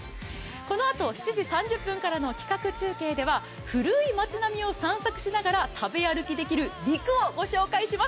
このあと、７時３０分からの企画中継では、古い町並みを歩きながら食べ歩きできる肉をご紹介します。